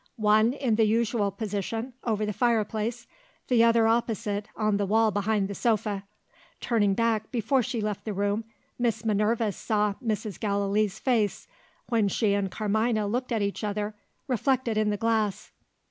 One, in the usual position, over the fireplace; the other opposite, on the wall behind the sofa. Turning back, before she left the room, Miss Minerva saw Mrs. Gallilee's face, when she and Carmina looked at each other, reflected in the glass.